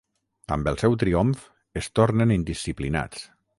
Amb el seu triomf, es tornen indisciplinats.